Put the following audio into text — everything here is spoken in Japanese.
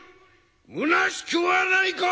むなしくはないか！